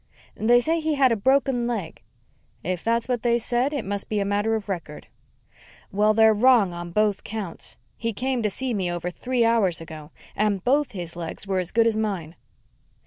"They say he had a broken leg." "If that's what they said, it must be a matter of record." "Well, they're wrong on both counts. He came to see me over three hours ago and both his legs were as good as mine."